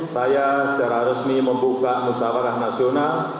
saya secara resmi membuka musawarah nasional